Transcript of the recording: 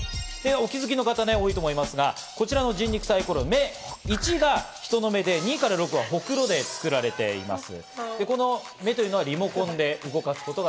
お気づきの方多いと思いますが、こちらの人肉サイコロ、１が人の目で、２から６はほくろで作られています。